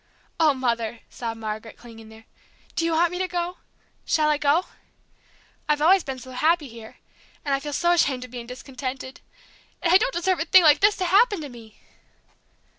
"Oh, Mother!" sobbed Margaret, clinging there, "do you want me to go shall I go? I've always been so happy here, and I feel so ashamed of being discontented, and I don't deserve a thing like this to happen to me!"